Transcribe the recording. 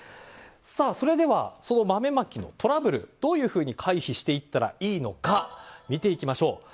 それでは、豆まきのトラブルどういうふうに回避していったらいいのか見ていきましょう。